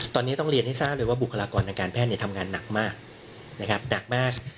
ตอนนี้ต้องเรียนให้ทราบเลยว่าบุคลากรทางการแพทย์ทำงานหนักมากนะครับหนักมาก